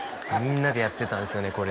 みんなでやってたんすよね